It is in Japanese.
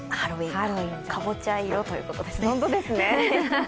かぼちゃ色ということですね。